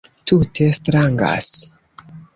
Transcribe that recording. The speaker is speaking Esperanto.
Tute strangas